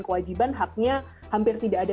kewajiban haknya hampir tidak ada